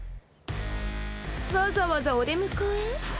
わざわざお出迎え？